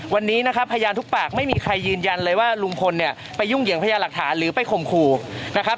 วันนี้นะครับพยานทุกปากไม่มีใครยืนยันเลยว่าลุงพลเนี่ยไปยุ่งเหยิงพยานหลักฐานหรือไปข่มขู่นะครับ